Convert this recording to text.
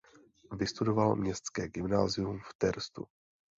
Vystudoval městské gymnázium v Terstu.